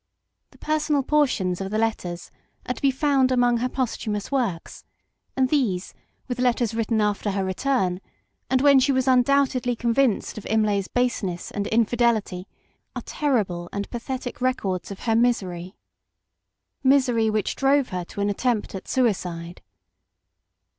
The personal portions of the letters are to be found among her posthumous works, and these, with letters written after her return, and when she was undoubtedly convinced of Imlay's baseness and infidelity, are terrible and pathetic records of her misery misery PARENTAGE. 13 which drove her to an attempt at suicide.